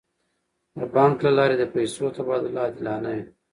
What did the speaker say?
د بانک له لارې د پیسو تبادله عادلانه وي.